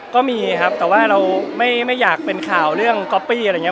ก็มีครับแต่ว่าเราไม่อยากเป็นข่าวเรื่องก๊อปปี้อะไรอย่างนี้